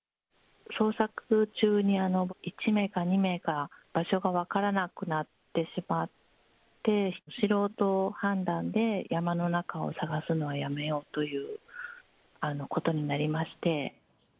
捜索中に１名か２名か、場所が分からなくなってしまって、素人判断で山の中を捜すのはやめようということになりまして。